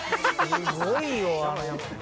すごいよ！